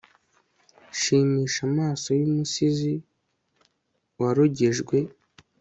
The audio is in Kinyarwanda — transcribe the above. shimisha amaso yumusizi warogejwe